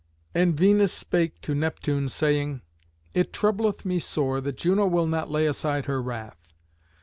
And Venus spake to Neptune, saying, "It troubleth me sore that Juno will not lay aside her wrath.